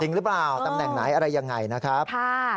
หรือเปล่าตำแหน่งไหนอะไรยังไงนะครับ